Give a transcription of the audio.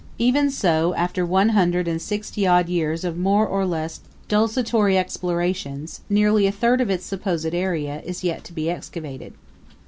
Even so, after one hundred and sixty odd years of more or less desultory explorations, nearly a third of its supposed area is yet to be excavated.